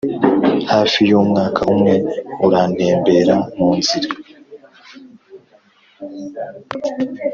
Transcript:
hafi yumwaka umwe, urantembera munzira